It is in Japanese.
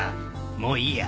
もういいや。